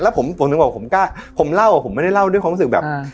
แล้วผมถึงบอกผมกล้าผมเล่าผมไม่ได้เล่าด้วยความรู้สึกแบบ